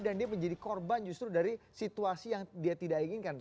dan dia menjadi korban justru dari situasi yang dia tidak inginkan